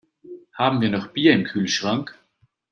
Haben wir noch Bier im Kühlschrank?